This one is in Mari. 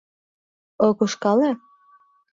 Ок ушкале?